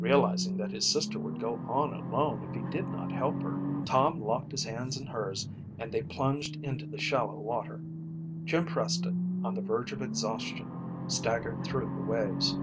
Realizing that his sister would go on alone if he did not help her, Tom locked his hands in hers and they plunged into the shallow water. Jim Preston, on the verge of exhaustion, staggered through the waves.